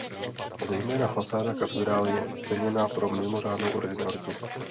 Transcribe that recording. Zejména fasáda katedrály je ceněna pro mimořádnou originalitu.